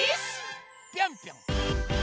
ぴょんぴょん！